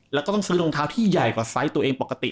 แล้วก็ต้องซื้อรองเท้าที่ใหญ่กว่าไซส์ตัวเองปกติ